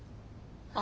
あ。